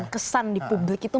kesan di publik itu